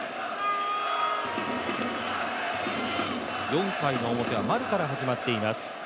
４回の表は丸から始まっています。